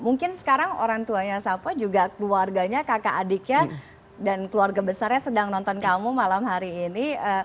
mungkin sekarang orang tuanya sapo juga keluarganya kakak adiknya dan keluarga besarnya sedang nonton kamu malam hari ini